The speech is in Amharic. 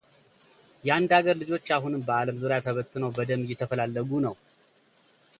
የአንድ ሀገር ልጆች አሁንም በዓለም ዙሪያ ተበትነው በደም እየተፈላለጉ ነው።